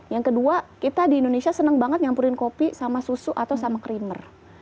yang kedua kita di indonesia senang banget nyampurin kopi sama susu atau sama krimer